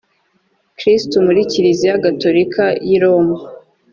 kristu muri kiliziya gatolika y i roma